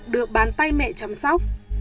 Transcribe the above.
được bàn tay mẹ chăm sóc